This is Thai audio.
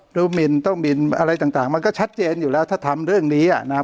หมินต้องหมินอะไรต่างมันก็ชัดเจนอยู่แล้วถ้าทำเรื่องนี้นะครับ